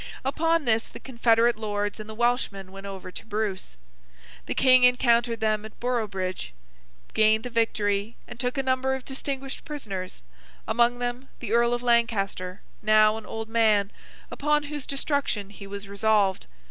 Upon this, the confederate lords and the Welshmen went over to Bruce. The King encountered them at Boroughbridge, gained the victory, and took a number of distinguished prisoners; among them, the Earl of Lancaster, now an old man, upon whose destruction he was resolved.